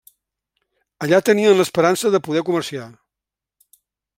Allà tenien l'esperança de poder comerciar.